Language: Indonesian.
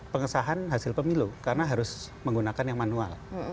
pengesahan hasil pemilu karena harus menggunakan yang manual